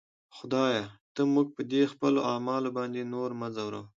خدایه! ته موږ په دې خپلو اعمالو باندې نور مه ځوروه.